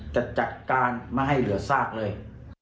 จะจัดการไม่ให้เหลือซากเลย